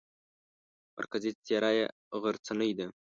مرکزي څېره یې غرڅنۍ ده.